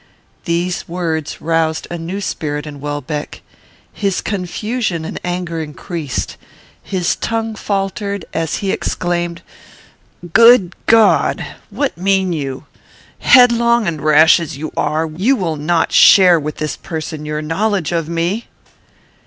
These words roused a new spirit in Welbeck. His confusion and anger increased. His tongue faltered as he exclaimed, "Good God! what mean you? Headlong and rash as you are, you will not share with this person your knowledge of me?"